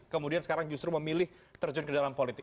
kemudian sekarang justru memilih terjun ke dalam politik